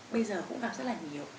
bây giờ cũng gặp rất là nhiều